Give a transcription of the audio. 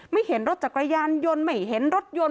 ไม่เห็นรถจักรยานยนต์ไม่เห็นรถยนต์